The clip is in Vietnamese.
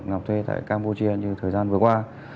ngọc thuê tại campuchia như thời gian vừa qua